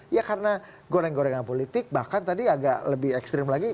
ya karena goreng gorengan politik bahkan tadi agak lebih ekstrim lagi